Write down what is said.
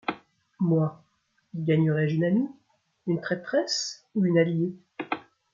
Moi : Y gagnerai-je une amie, une traîtresse ou une alliée ?